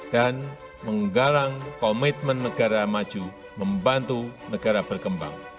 dan menggalang komitmen negara maju membantu negara berkembang